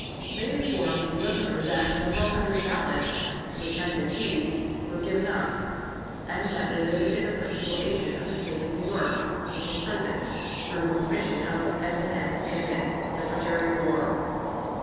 They informed the Governor that several hundred ballots, which had been seized, were given up, and that they visited the principal agent of the State of New York in his prison, through the permission of Edwin M. Stanton, Secretary of War.